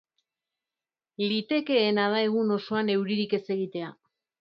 Litekeena da egun osoan euririk ez egitea.